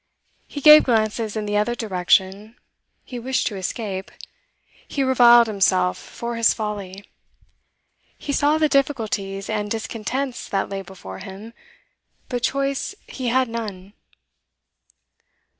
He gave glances in the other direction; he wished to escape; he reviled himself for his folly; he saw the difficulties and discontents that lay before him; but choice he had none.